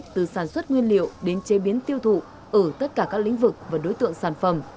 từ sản xuất nguyên liệu đến chế biến tiêu thụ ở tất cả các lĩnh vực và đối tượng sản phẩm